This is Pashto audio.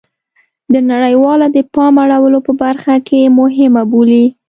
د نړیواله د پام اړولو په برخه کې مهمه بولي